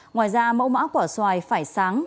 ngoài ra mẫu mã quả xoài phải sáng